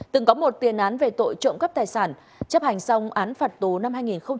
từng có một tiền án về tội trộm cắp tài sản chấp hành xong án phạt tù năm hai nghìn một mươi ba